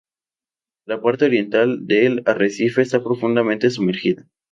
La parte oriental del arrecife está profundamente sumergida.